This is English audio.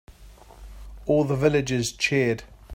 All the villagers cheered.